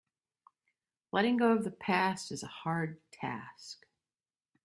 Letting go of the past is a hard task.